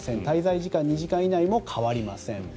滞在時間２時間以内も変わりません。